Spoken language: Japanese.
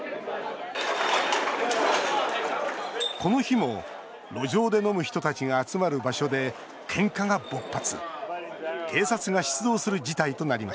この日も路上で飲む人たちが集まる場所で、ケンカが勃発。